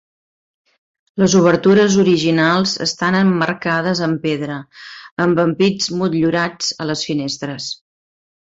Les obertures originals estan emmarcades amb pedra, amb ampits motllurats a les finestres.